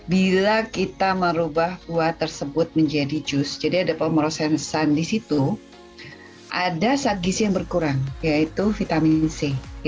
bila kita merubah buah tersebut menjadi jus jadi ada pemrosesan di situ ada zat gizi yang berkurang yaitu vitamin c